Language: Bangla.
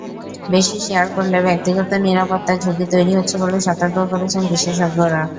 বেশি শেয়ার করলে ব্যক্তিগত নিরাপত্তা ঝুঁকি তৈরি হচ্ছে বলে সতর্ক করেছেন বিশেষজ্ঞরা।